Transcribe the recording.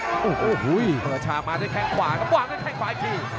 โอ้โหเปิดฉากมาด้วยแข้งขวาครับวางด้วยแข้งขวาอีกที